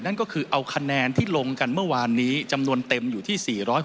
นั่นก็คือเอาคะแนนที่ลงกันเมื่อวานนี้จำนวนเต็มอยู่ที่๔๖๐